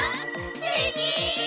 すてき！